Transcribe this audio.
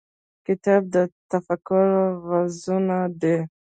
کتاب د تفکر غزونه ده.